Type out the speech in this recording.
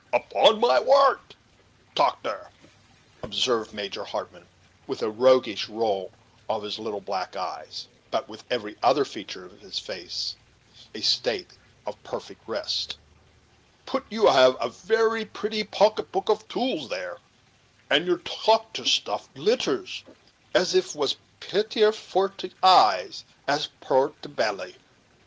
"Upon my wort, toctor," observed Major Hartmann, with a roguish roll of his little black eyes, but with every other feature of his face in a state of perfect rest, "put you have a very pretty pocket book of tools tere, and your toctor stuff glitters as if it was petter for ter eyes as for ter pelly."